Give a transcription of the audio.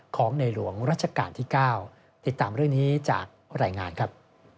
ของในหลวงรัชกาลที่๙ติดตามเรื่องนี้จากรายงานครับ